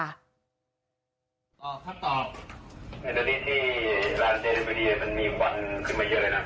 ตอบครับตอบ